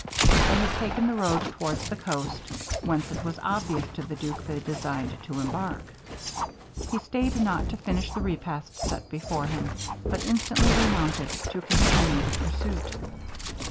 They had taken the road towards the coast, whence it was obvious to the duke they designed to embark. He stayed not to finish the repast set before him, but instantly remounted to continue the pursuit.